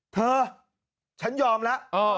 เธอฉันยอมแล้ว